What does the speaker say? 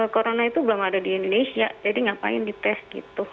corona itu belum ada di indonesia jadi ngapain dites gitu